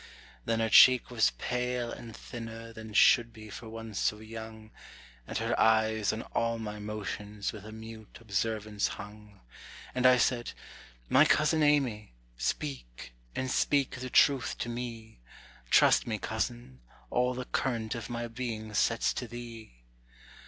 Then her cheek was pale and thinner than should be for one so young, And her eyes on all my motions with a mute observance hung. And I said, "My cousin Amy, speak, and speak the truth to me; Trust me, cousin, all the current of my being sets to thee."